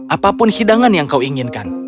apapun hidangan yang kau inginkan